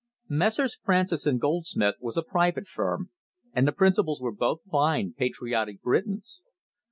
Messrs. Francis and Goldsmith was a private firm, and the principals were both fine, patriotic Britons.